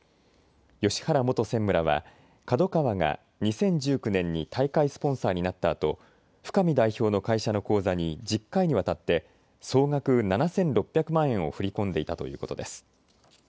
芳原元専務らはＫＡＤＯＫＡＷＡが２０１９年に大会スポンサーになったあと、深見代表の会社の口座に１０回にわたって総額７６００万円を振り込んでいたということです。